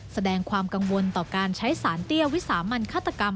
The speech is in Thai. แสดงความกังวลต่อการใช้สารเตี้ยวิสามันฆาตกรรม